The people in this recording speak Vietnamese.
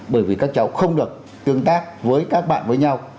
bởi vì các cháu không được tương tác với các bạn với nhau